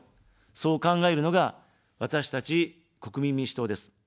そう考えるのが、私たち国民民主党です。